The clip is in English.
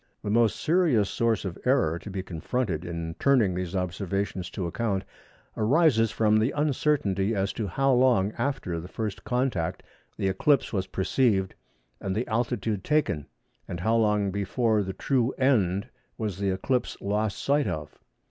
The most serious source of error to be confronted in turning these observations to account arises from the uncertainty as to how long after the first contact the eclipse was perceived and the altitude taken; and how long before the true end was the eclipse lost sight of.